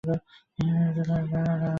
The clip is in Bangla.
ইঁহার সহিত রেলগাড়ীতে হঠাৎ আলাপ হয়।